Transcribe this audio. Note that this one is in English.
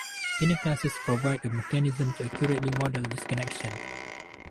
Inner classes provide a mechanism to accurately model this connection.